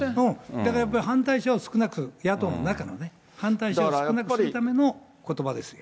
だから、やっぱり反対者を少なく、野党の中のね、反対者を少なくするためのことばですよ。